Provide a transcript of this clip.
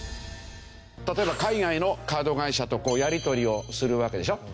例えば海外のカード会社とやり取りをするわけでしょ。